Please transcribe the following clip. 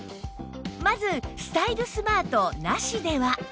まずスタイルスマートなしでは